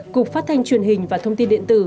cục phát thanh truyền hình và thông tin điện tử